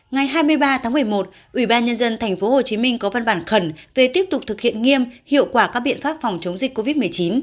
ngày hai mươi ba tháng một mươi một ủy ban nhân dân tp hcm có vất bản khẩn về tiếp tục thực hiện nghiêm hiệu quả các biện pháp phòng chống dịch covid một mươi chín